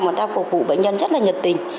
người ta phục vụ bệnh nhân rất là nhiệt tình